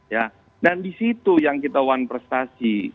ya dan di situ yang kita wan prestasi